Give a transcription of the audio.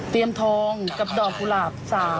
เตรียมทองกับดอกกุหลาบ๓